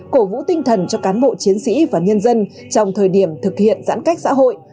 cổ vũ tinh thần cho cán bộ chiến sĩ và nhân dân trong thời điểm thực hiện giãn cách xã hội